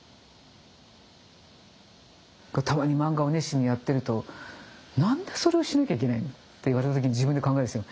たまに漫画を熱心にやってると「何でそれをしなきゃいけないの？」って言われた時に自分で考えるんですよ。